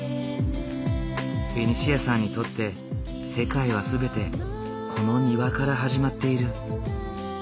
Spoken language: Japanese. ベニシアさんにとって世界は全てこの庭から始まっている。